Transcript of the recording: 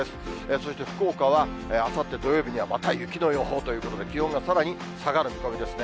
そして、福岡はあさって土曜日にはまた雪の予報ということで、気温がさらに下がる見込みですね。